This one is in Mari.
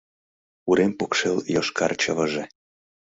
Урем покшел йошкар чывыже